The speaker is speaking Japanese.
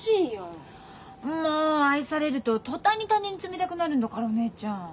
もう愛されると途端に他人に冷たくなるんだからお姉ちゃん。